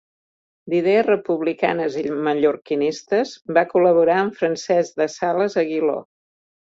D'idees republicanes i mallorquinistes, va col·laborar amb Francesc de Sales Aguiló.